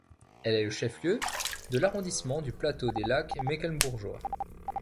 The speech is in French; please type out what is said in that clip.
Elle est le chef-lieu de l'arrondissement du Plateau des lacs mecklembourgeois.